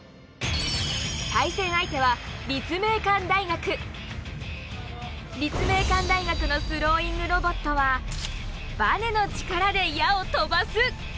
対戦相手は立命館大学のスローイングロボットはバネの力で矢を飛ばす！